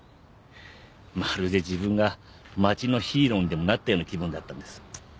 まるで自分が町のヒーローにでもなったような気分だったんです。